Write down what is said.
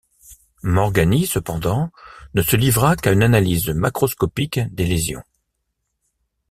Morgagni, cependant, ne se livra qu'à une analyse macroscopique des lésions.